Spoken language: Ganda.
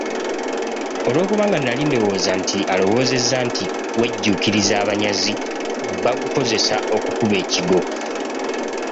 Olwokubanga nali ndowooza nti alowoozezza nti wejjuukiriza abanyazi bagukozesa okukuba ekigo.